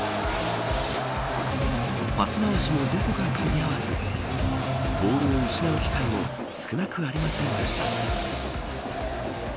パス回しも、どこかかみ合わずボールを失う機会も少なくありませんでした。